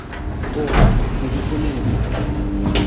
Uɣeɣ-as-d tilifun i yelli.